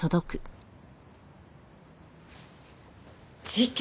事件